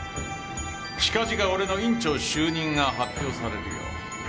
近々俺の院長就任が発表されるよ。